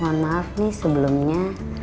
mohon maaf nih sebelumnya